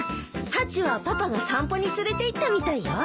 ハチはパパが散歩に連れていったみたいよ。